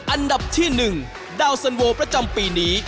อันดับที่๑ดาวน์เซินโววร์ประจำปีนี้